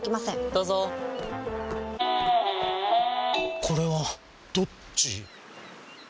どうぞこれはどっち？